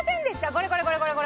これこれこれこれ！